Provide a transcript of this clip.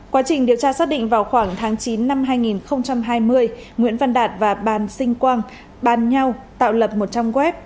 quá trình điều tra xác định vào khoảng tháng chín năm hai nghìn hai mươi nguyễn văn đạt và bàn sinh quang bàn nhau tạo lập một trang web